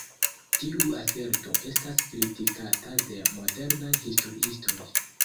Tiu aserto estas kritikata de modernaj historiistoj.